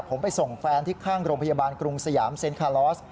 ผมไปส่งแฟนที่ข้างโรงพยาบาลกรุงสยามเซ็นคาลอส